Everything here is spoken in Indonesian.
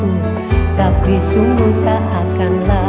itu kita manusia kuat